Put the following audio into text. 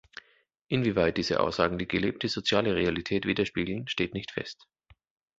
Inwieweit diese Aussagen die gelebte soziale Realität widerspiegeln steht nicht fest.